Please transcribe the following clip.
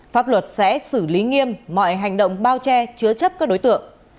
pháp luật sẽ xử lý nghiêm mọi hành động bao che chứa chấp các đối tượng